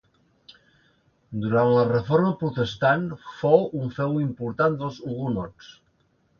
Durant la Reforma protestant fou un feu important dels hugonots.